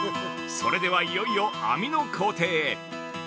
それではいよいよ、編みの工程へ。